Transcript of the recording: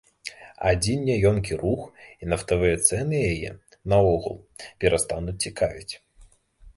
Адзін няёмкі рух і нафтавыя цэны яе, наогул, перастануць цікавіць.